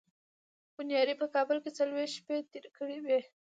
کیوناري په کابل کې څلوېښت شپې تېرې کړې وې.